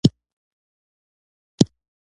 د برګر خوړل زړه غواړي